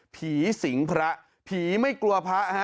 สิงพระผีไม่กลัวพระฮะ